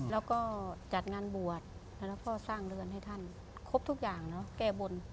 แล้วก็จัดงานบวชแล้วก็สร้างเรือนให้ท่านครบทุกอย่างเนอะแก้บน